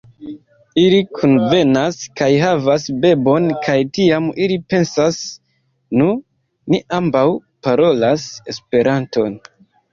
Ili kunvenas kaj havas bebon, kaj tiam, ili pensas, "Nu, ni ambaŭ parolas Esperanton.